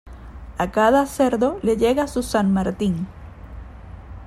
A cada cerdo le llega su San Martín.